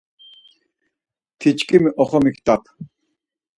Tiçkimi oxomiktap.